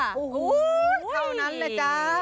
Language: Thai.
เท่านั้นเลยจ้า